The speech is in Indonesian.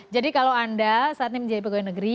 jadi kalau anda saat ini menjadi pegawai negeri